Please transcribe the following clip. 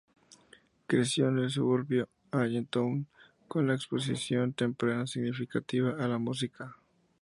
Creció en el suburbio Allentown con la exposición temprana significativa a la música.